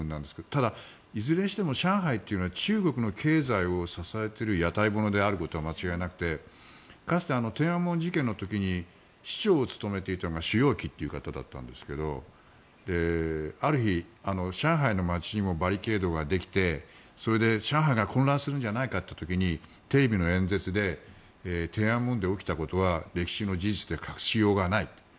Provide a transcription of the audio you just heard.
ただ、いずれにしても上海は中国の経済を支えている屋台骨であることは間違いなくてかつて天安門事件の時に市長を務めていたのが朱鎔基という方だったんですがある日、上海の街にもバリケードができてそれで、上海が混乱するんじゃないかという時にテレビの演説で天安門で起きたことは歴史の事実で隠しようがない。